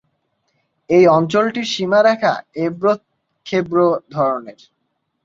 এই অঞ্চলটির সীমারেখা এবড়ো-খেবড়ো ধরনের।